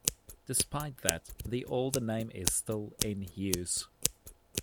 Despite that, the older name is still in use.